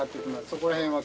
そこら辺は。